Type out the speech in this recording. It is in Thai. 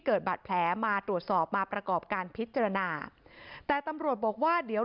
เกิดบาดแผลมาตรวจสอบมาประกอบการพิจารณาแต่ตำรวจบอกว่าเดี๋ยว